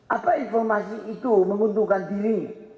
apa informasi itu menguntungkan diri